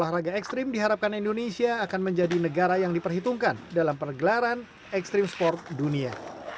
olahraga ekstrim diharapkan indonesia akan menjadi negara yang diperhitungkan dalam pergelaran ekstrim sport dunia